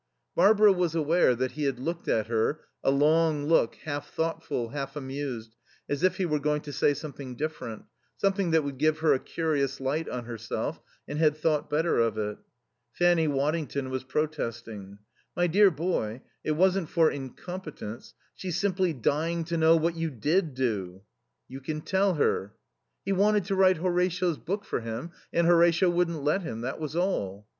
Barbara was aware that he had looked at her, a long look, half thoughtful, half amused, as if he were going to say something different, something that would give her a curious light on herself, and had thought better of it. Fanny Waddington was protesting. "My dear boy, it wasn't for incompetence. She's simply dying to know what you did do." "You can tell her." "He wanted to write Horatio's book for him, and Horatio wouldn't let him. That was all."